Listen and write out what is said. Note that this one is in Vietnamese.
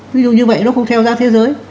ví dụ như vậy nó không theo giá thế giới